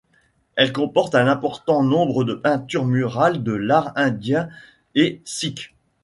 Elle comporte un important nombre de peintures murales de l'art indien et sikh.